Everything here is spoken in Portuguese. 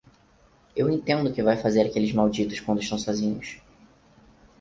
Eu entendo o que vai fazer aqueles malditos quando estão sozinhos.